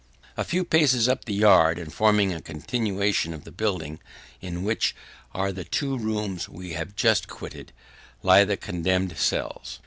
(3) A few paces up the yard, and forming a continuation of the building, in which are the two rooms we have just quitted, lie the condemned cells.